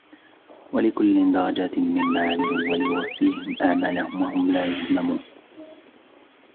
ولكل درجات مما عملوا وليوفيهم أعمالهم وهم لا يظلمون